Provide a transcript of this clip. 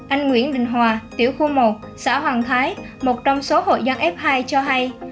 anh nguyễn đình hòa tiểu khu một xã hoàng thái một trong số hộ dân f hai cho hay